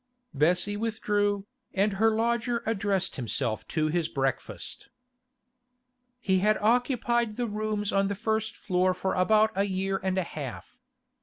Bessie withdrew, and her lodger addressed himself to his breakfast. He had occupied the rooms on the first floor for about a year and a half.